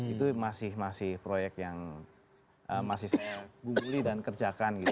itu masih proyek yang masih saya guguli dan kerjakan gitu